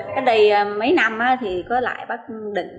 cái này mấy năm thì có lại bác định